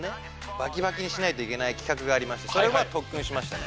バキバキにしないといけないきかくがありましてそれはとっくんしましたね。